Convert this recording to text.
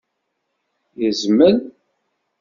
Yezmel?